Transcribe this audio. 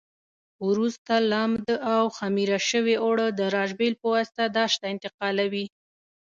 وروسته لمد او خمېره شوي اوړه د راشپېل په واسطه داش ته انتقالوي.